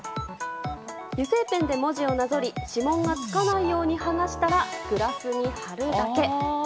油性ペンで文字をなぞり指紋が付かないように剥がしたらグラスに貼るだけ。